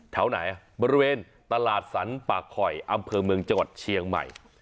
แถวไหนบริเวณตลาดสรรปากคอยอำเภอเมืองจังหวัดเชียงใหม่